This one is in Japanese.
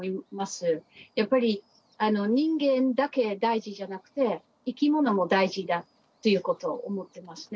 やっぱり人間だけ大事じゃなくていきものも大事だということを思ってますね。